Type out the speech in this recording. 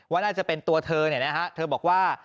ว่าน่าจะเป็นตัวเธอนะฮะเธอบอกว่า